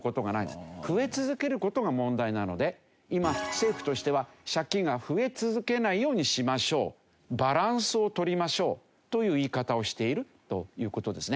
増え続ける事が問題なので今政府としては借金が増え続けないようにしましょうバランスを取りましょうという言い方をしているという事ですね。